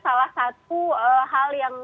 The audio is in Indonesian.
salah satu hal yang